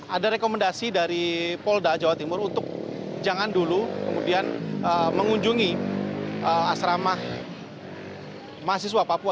ada rekomendasi dari polda jawa timur untuk jangan dulu kemudian mengunjungi asrama mahasiswa papua